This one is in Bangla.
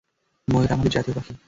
ময়ূর আমাদের জাতীয় পাখি।